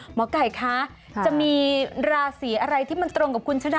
หมอไก่คะจะมีราศีอะไรที่มันตรงกับคุณชนะ